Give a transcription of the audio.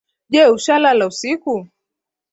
Je ushalala usiku?